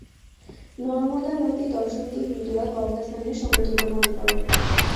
নর্মদা নদী দর্শনকে হিন্দুরা গঙ্গা স্নানের সমতুল্য মনে করেন।